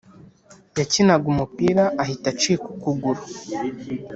yakinaga umupira ahita acika ukuguru.